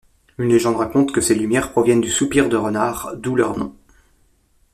Une légende raconte que ces lumières proviennent du soupir de renard, d'où leur nom.